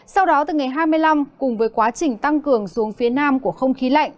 sau đó từ ngày hai mươi năm cùng với quá trình tăng cường xuống phía nam của không khí lạnh